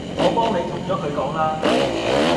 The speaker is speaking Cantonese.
我幫你同咗佢講啦